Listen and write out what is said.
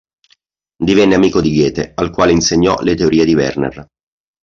Divenne amico di Goethe al quale insegnò le teorie di Werner.